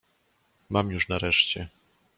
"Mam już nareszcie."